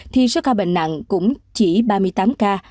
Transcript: thì số ca bệnh nặng cũng chỉ ba mươi tám ca